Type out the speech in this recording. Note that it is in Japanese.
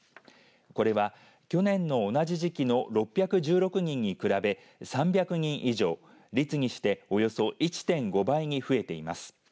これは去年の同じ時期の６１６人に比べ３００人以上率にしておよそ１．５倍に増えています。